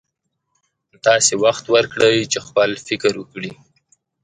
نو تاسې وخت ورکړئ چې خپل فکر وکړي.